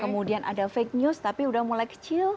kemudian ada fake news tapi udah mulai kecil